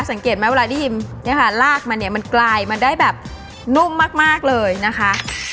สังเกตไหมเวลาที่ลากมันเนี่ยมันกลายมันได้แบบนุ่มมากเลยนะคะ